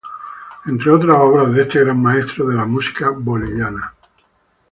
Entre otras obras de este Gran Maestro de la Música boliviana.